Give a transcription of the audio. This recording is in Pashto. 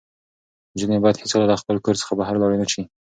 نجونې باید هېڅکله له خپل کور څخه بهر لاړې نه شي.